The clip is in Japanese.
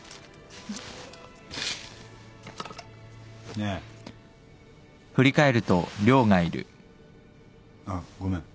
ねえ。あっごめん。